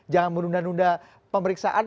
jangan menunda nunda pemeriksaan